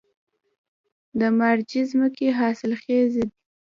د مارجې ځمکې حاصلخیزه دي